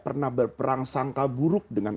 pernah berperang sangka buruk dengan